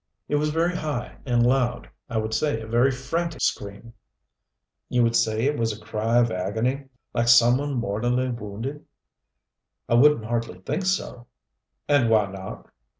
"It was very high and loud I would say a very frantic scream." "You would say it was a cry of agony? Like some one mortally wounded?" "I wouldn't hardly think so." "And why not?"